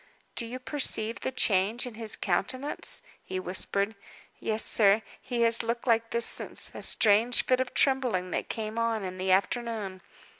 "Do you perceive the change in his countenance?" he whispered. "Yes, sir. He has looked like this since a strange fit of trembling that came on in the afternoon.